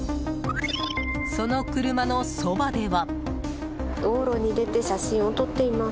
その車のそばでは。